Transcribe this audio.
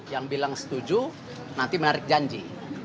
yang bilang setuju nanti menarik janji